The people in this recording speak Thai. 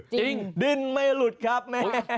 ดิ้นไม่หลุดครับแม่